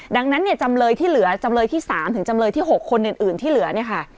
ดังนั้นจำเลยที่เหลือจำเลยที่๓ถึงจำเลยที่๖คนอื่นที่เหลือ